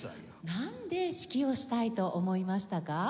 なんで指揮をしたいと思いましたか？